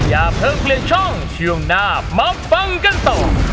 อย่าเพิ่งเปลี่ยนช่องช่วงหน้ามาฟังกันต่อ